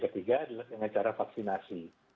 ketiga adalah dengan cara vaksinasi